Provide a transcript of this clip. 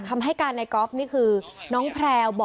คำให้การในกอล์ฟนี่คือคำให้การในกอล์ฟนี่คือ